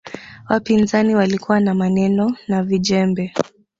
wapinzani walikuwa na maneno na vijembe